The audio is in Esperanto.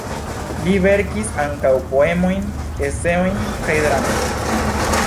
Li verkis ankaŭ poemojn, eseojn kaj dramojn.